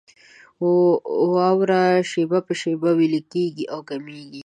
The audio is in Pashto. واوره شېبه په شېبه ويلېږي او کمېږي.